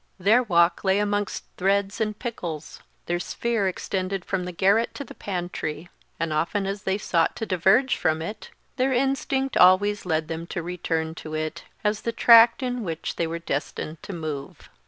Their walk lay amongst threads and pickles; their sphere extended from the garret to the pantry; and often as they sought to diverge from it, their instinct always led them to return to it, as the tract in which they were destined to move.